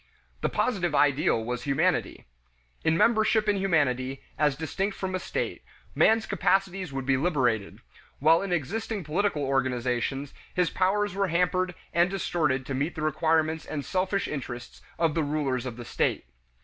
The positive ideal was humanity. In membership in humanity, as distinct from a state, man's capacities would be liberated; while in existing political organizations his powers were hampered and distorted to meet the requirements and selfish interests of the rulers of the state.